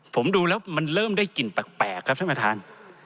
ผมดูแล้วมันเริ่มได้กลิ่นแปลกครับท่านประธาน